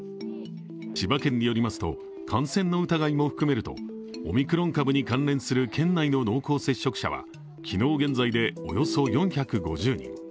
千葉県によりますと、感染の疑いも含めるとオミクロン株に関連する県内の濃厚接触者は昨日時点でおよそ４５０人。